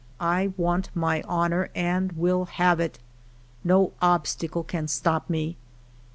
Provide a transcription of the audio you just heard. I want my honor and will have it! No obstacle can stop me.